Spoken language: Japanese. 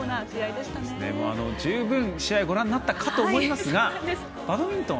十分試合をご覧になったと思いますがバドミントン